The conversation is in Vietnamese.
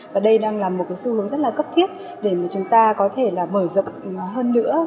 và đây đang là một cái xu hướng rất là cấp thiết để mà chúng ta có thể là mở rộng hơn nữa